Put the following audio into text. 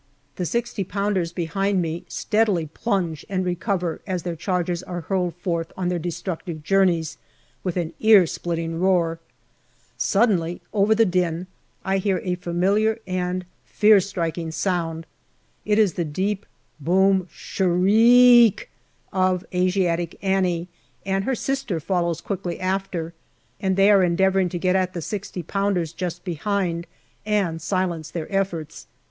The 6o pounders behind me steadily plunge and recover as their charges are hurled forth on their destructive journeys, with an ear splitting roar. Suddenly 148 GALLIPOLI DIARY over the din I hear a familiar and fear striking sound : it is the deep boom s h r i e k of " Asiatic Annie," and her sister follows quickly after, and they are endeavouring to get at the 6o pounders just behind and silence their efforts.